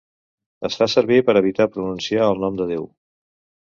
Es fa servir per evitar pronunciar el nom de Déu.